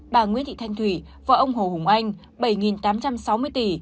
bà nguyễn thị thanh thủy vợ ông hồ hùng anh bảy tám trăm sáu mươi tỷ đồng